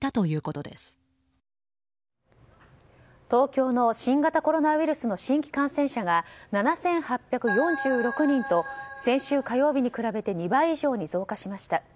東京の新型コロナウイルスの新規感染者が７８４６人と先週火曜日に比べて２倍以上に増加しました。